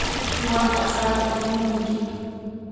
¿Piwantaq sarata tipimunki?